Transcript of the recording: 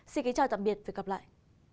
xin kính chào tạm biệt và hẹn gặp lại